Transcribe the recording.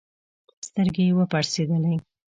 سترګي یې وپړسېدلې